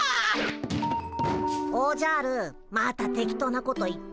おじゃるまたテキトーなこと言って。